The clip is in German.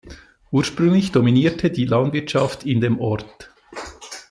Ursprünglich dominierte die Landwirtschaft in dem Ort.